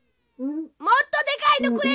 もっとでかいのくれ！